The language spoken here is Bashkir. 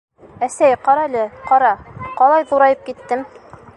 — Әсәй, ҡарәле, ҡара, ҡалай ҙурайып киттем...